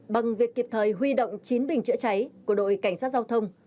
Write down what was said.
bằng việc kịp thời huy động chín bình chữa cháy của đội cảnh sát giao thông